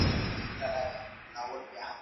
حل لاري د څېړني له لاري موندل کیږي.